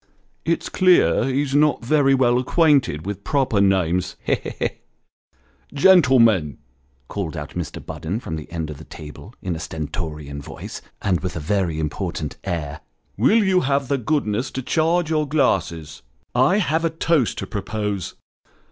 " It's clear he's not very well acquainted with proper names. He ! he ! he !"" Gentlemen," called out Mr. Budden, from the end of the table, in a stentorian voice, and with a very important air, " will you have the goodness to charge your glasses ? I have a toast to propose."